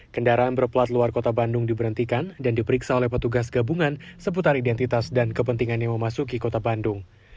kendaraan berplat luar kota bandung diberhentikan dan diperiksa oleh petugas gabungan seputar identitas dan kepentingan yang memasuki kota bandung